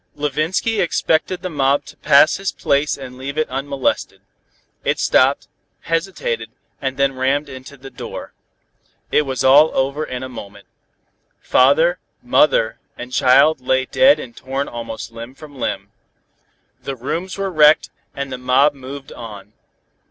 Levinsky expected the mob to pass his place and leave it unmolested. It stopped, hesitated and then rammed in the door. It was all over in a moment. Father, mother and child lay dead and torn almost limb from limb. The rooms were wrecked, and the mob moved on.